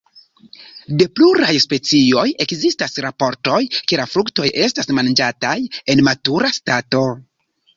De pluraj specioj ekzistas raportoj, ke la fruktoj estas manĝataj en matura stato.